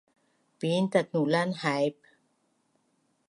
Piin tatnulan haip?